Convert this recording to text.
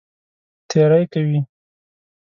تېری کوي.